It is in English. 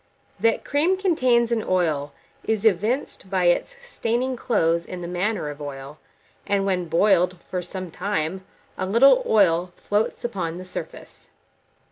That cream contains an oil, is evinced by its staining clothes in the manner of oil; and when boiled for some time, a little oil floats upon the surface.